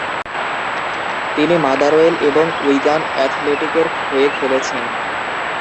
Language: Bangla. তিনি মাদারওয়েল এবং উইগান অ্যাথলেটিকের হয়ে খেলেছেন।